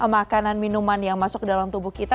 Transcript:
makanan minuman yang masuk ke dalam tubuh kita